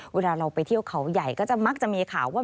เวลาเราไปเที่ยวเขาใหญ่ก็จะมักจะมีข่าวว่า